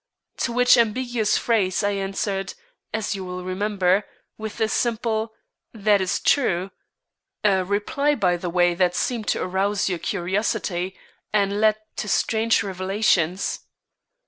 '" "To which ambiguous phrase I answered, as you will remember, with a simple, 'That is true,' a reply by the way that seemed to arouse your curiosity and lead to strange revelations."